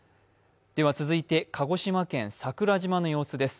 続いて鹿児島県・桜島の様子です。